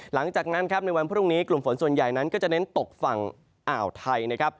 หลังจากนั้นครับในวันพรุ่งนี้กลุ่มฝนส่วนใหญ่นั้นก็จะเน้นตกฝั่งอ่าวไทยนะครับ